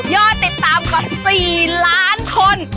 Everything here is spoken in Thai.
ติดตามกว่า๔ล้านคน